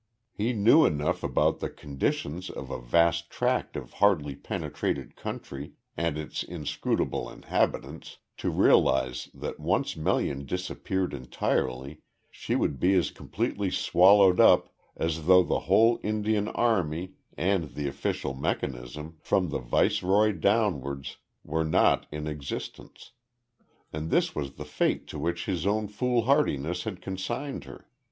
He knew enough about the conditions of a vast tract of hardly penetrated country, and its inscrutable inhabitants, to realise that once Melian disappeared entirely she would be as completely swallowed up, as though the whole Indian army, and the official mechanism, from the Viceroy downwards, were not in existence. And this was the fate to which his own foolhardiness had consigned her.